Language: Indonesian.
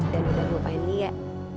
dan udah lupain lia